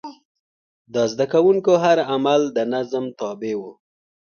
د زده کوونکو هر عمل د نظم تابع و.